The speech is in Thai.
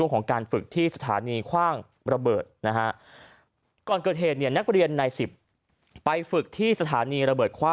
ไปฝึกที่สถานีข้างระเบิด